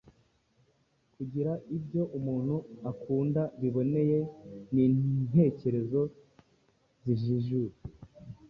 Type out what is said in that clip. Kugira ibyo umuntu akunda biboneye n’intekerezo zijijutse